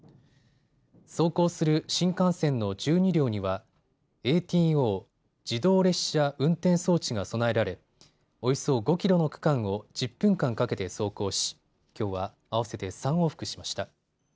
走行する新幹線の１２両にはＡＴＯ・自動列車運転装置が備えられおよそ５キロの区間を１０分間かけて走行しきょうは合わせて３往復しました。